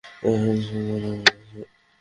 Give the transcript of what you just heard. এখন সে ধরা পড়েছে।